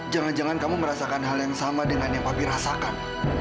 jangan jangan kamu merasakan hal yang sama dengan yang papi rasakan